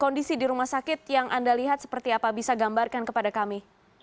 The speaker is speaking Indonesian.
kondisi di rumah sakit yang anda lihat seperti apa bisa gambarkan kepada kami